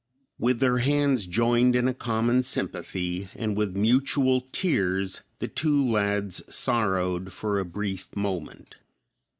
With their hands joined in a common sympathy, and with mutual tears, the two lads sorrowed for a brief moment.